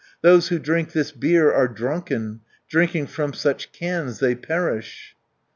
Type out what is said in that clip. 300 Those who drink this beer are drunken, Drinking from such cans they perish."